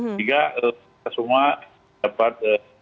sehingga kita semua dapat